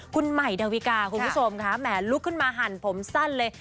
คุณใหม่ดาวิกาคุณผู้ชมค่ะแหมลุกขึ้นมาหั่นผมสั้นเลย